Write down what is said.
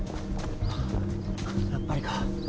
やっぱりか。